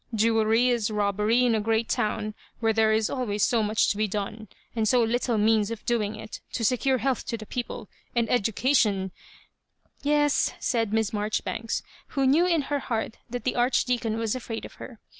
Jewellery is robbery in a great town where there is always so much to be done, and so little means of doing it ; to secure health to the people, and education "" Yes," said Miss Marjoribanks, who knew in her heart that the Archdeacon was afraid of her.